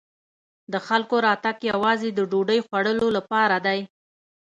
د خلکو راتګ یوازې د ډوډۍ خوړلو لپاره دی.